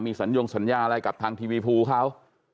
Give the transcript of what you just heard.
สัญญงสัญญาอะไรกับทางทีวีภูเขา